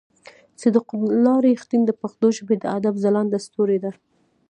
صديق الله رښتين د پښتو ژبې د ادب ځلانده ستوری دی.